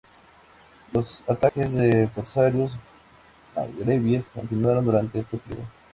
Los ataques de corsarios magrebíes continuaron durante este periodo.